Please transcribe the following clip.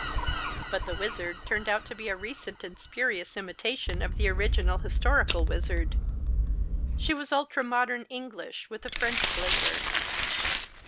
But the Wizard turned out to be a recent and spurious imitation of the original historical wizard. She was ultra modern English, with a French flavor.